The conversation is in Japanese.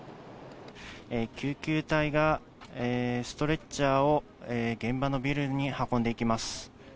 救急隊がストレッチャーを現場のビルに運んでいきます。